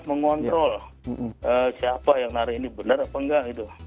mengontrol siapa yang narik ini benar apa nggak gitu